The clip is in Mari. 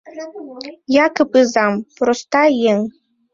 — Якып изам — проста еҥ.